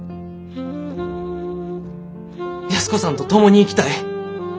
安子さんと共に生きたい。